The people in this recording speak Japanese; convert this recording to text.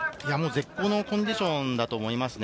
絶好のコンディションだと思います。